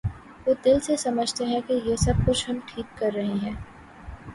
وہ دل سے سمجھتے ہیں کہ یہ سب کچھ ہم ٹھیک کر رہے ہیں۔